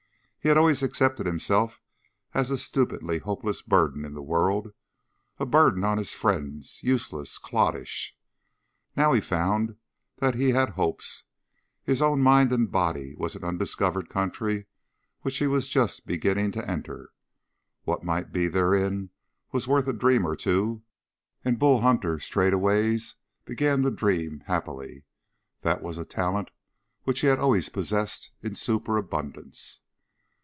He had always accepted himself as a stupidly hopeless burden in the world, a burden on his friends, useless, cloddish. Now he found that he had hopes. His own mind and body was an undiscovered country which he was just beginning to enter. What might be therein was worth a dream or two, and Bull Hunter straightway began to dream, happily. That was a talent which he had always possessed in superabundance.